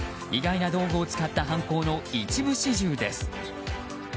意外な道具を使った犯行の一部始終です。